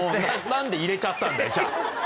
何で入れちゃったんだよ。